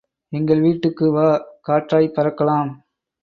எங்கள் வீட்டுக்கு வா, காற்றாய்ப் பறக்கலாம்.